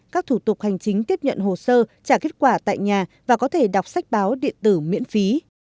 các thủ tục hành chính tiếp nhận hồ sơ trả kết quả tại nhà và có thể đọc sách báo điện tử miễn phí